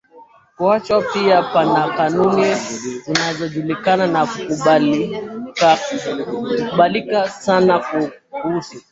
kuachwa Pia pana kanuni zinazojulikana na kukubalika sana kuhusu